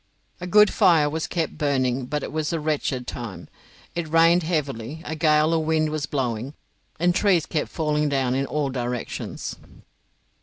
A good fire was kept burning but it was a wretched time. It rained heavily, a gale of wind was blowing, and trees kept falling down in all directions.